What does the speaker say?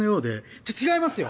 って違いますよ！